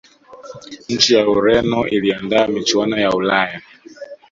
nchi ya ureno iliandaa michuano ya ulaya